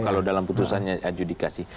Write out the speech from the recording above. kalau dalam putusannya adjudikasi